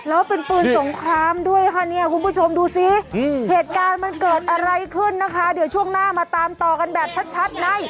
แล้วเป็นปืนสงครามด้วยค่ะเนี่ยคุณผู้ชมดูสิเหตุการณ์มันเกิดอะไรขึ้นนะคะเดี๋ยวช่วงหน้ามาตามต่อกันแบบชัดใน